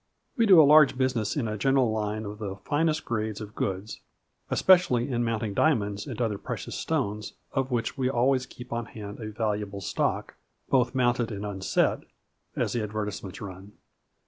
We do a large business in a general line of the finest grades of goods, especially in mount ing diamonds and other precious stones, " of which we always keep on hand a valuable stock, both mounted and unset/' as the advertisements run.